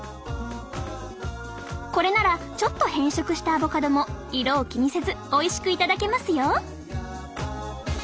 これならちょっと変色したアボカドも色を気にせずおいしく頂けますよ！